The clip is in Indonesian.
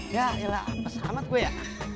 ya elah pesanat gue ya